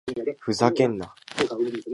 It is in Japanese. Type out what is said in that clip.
ふざけんな！